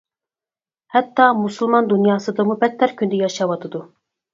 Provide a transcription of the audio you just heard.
ھەتتا مۇسۇلمان دۇنياسىدىنمۇ بەتتەر كۈندە ياشاۋاتىدۇ.